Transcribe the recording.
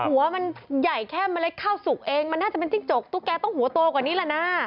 หัวมันใหญ่แค่เมล็ดข้าวสุกเองมันน่าจะเป็นจิ้งจกตุ๊กแกต้องหัวโตกว่านี้แหละนะ